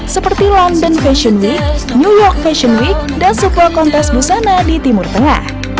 seperti london fashion week new york fashion week dan sebuah kontes busana di timur tengah